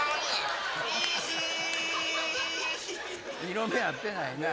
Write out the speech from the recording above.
色目合ってないな。